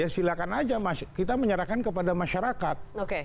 silahkan saja kita menyerahkan kepada masyarakat